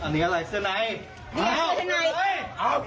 พร้อมตกผมที่หลัก